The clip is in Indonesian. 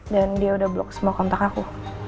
dan dia udah blok semua kontak aku